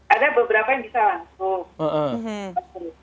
ada beberapa yang bisa langsung